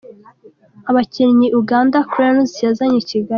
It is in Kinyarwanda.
Abakinnyi Uganda Cranes yazanye i Kigali:.